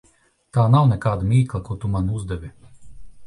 Tā nav nekāda mīkla, ko tu man uzdevi.